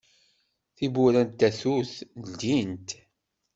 Tiwurra n tatut ldint.